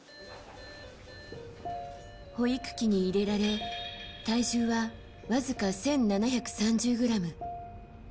保育器に入れられ体重はわずか１７３０ｇ。